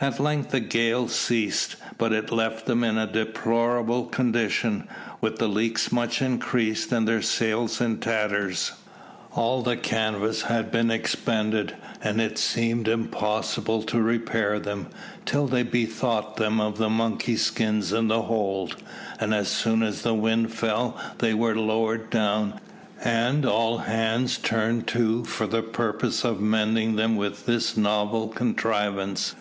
At length the gale ceased; but it left them in a deplorable condition, with the leaks much increased and their sails in tatters. All the canvas had been expended, and it seemed impossible to repair them, till they bethought them of the monkey skins in the hold; and as soon as the wind fell they were lowered down, and all hands turned to for the purpose of mending them with this novel contrivance.